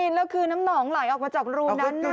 แล้วคือน้ำหนองไหลออกมาจากรูนั้น